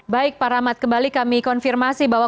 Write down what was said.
baik pak rahmat kembali kami konfirmasi bahwa